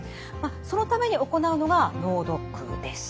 そのために行うのが脳ドックです。